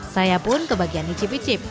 saya pun kebagian icip icip